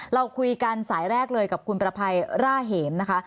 เราคุยกันสายแรกเลยกับคุณประภัยร่าเหมนะคะ